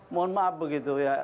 mohon maaf begitu ya